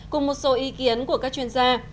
cùng một số ý kiến của các chuyên gia